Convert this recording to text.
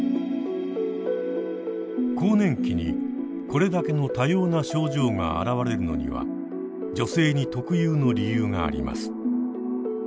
更年期にこれだけの多様な症状があらわれるのには女性に特有の理由があります。